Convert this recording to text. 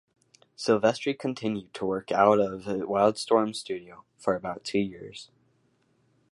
Silvestri continued to work out of WildStorm's studio for about two years.